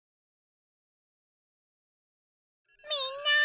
みんな！